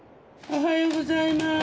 おはようございます。